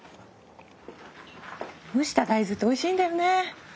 蒸した大豆っておいしいんだよね。